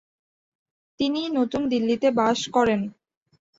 তিনি নতুন দিল্লিতে বাস করেন।